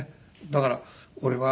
だから俺は。